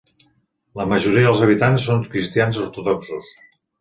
La majoria dels habitants són cristians ortodoxos.